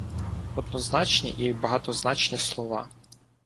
Однозначні і багатозначні слова